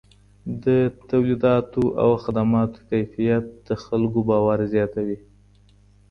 د توليداتو او خدماتو کیفیت د خلکو باور زیاتوي.